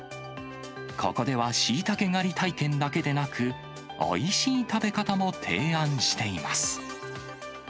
ここではシイタケ狩り体験だけでなく、おいしい食べ方も提案しています。